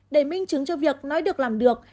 để minh chứng cho việc nói được làm được